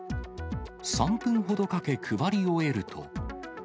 ３分ほどかけ配り終えると。